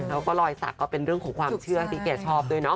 แล้วก็รอยสักก็เป็นเรื่องของความเชื่อที่แกชอบด้วยเนาะ